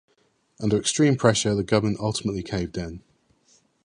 Under extreme pressure, the government ultimately caved in.